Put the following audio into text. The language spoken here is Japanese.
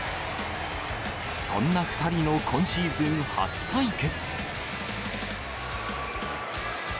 そんな２人の今シーズン初対決。